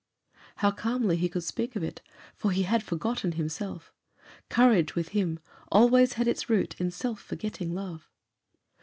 How calmly he could speak of it; for he had forgotten himself. Courage, with him, always had its root in self forgetting love.